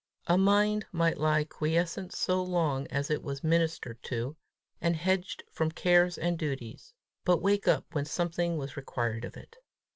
A mind might lie quiescent so long as it was ministered to, and hedged from cares and duties, but wake up when something was required of it!